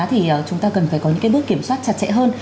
thì chúng ta cần phải có những bước kiểm soát chặt chẽ hơn